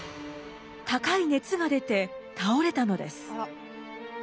高い熱が出て倒れたのです。